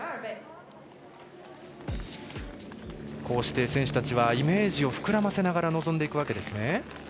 こうして選手たちはイメージを膨らませながら臨んでいくわけですね。